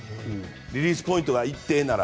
リリースポイントが一定なら。